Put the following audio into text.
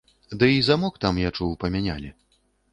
Дый замок там, я чуў, памянялі.